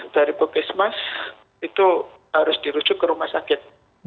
dari pukismas itu harus dirujuk ke rumah sakit